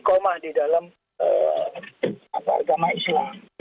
di koma di dalam agama islam